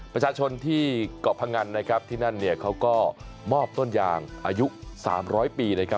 ประชาชนที่เกาะพงันนะครับที่นั่นเนี่ยเขาก็มอบต้นยางอายุ๓๐๐ปีนะครับ